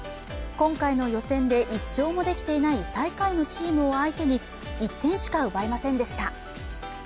今回の予選で１勝もできていない最下位のチームを相手に１点しか奪えませんでした。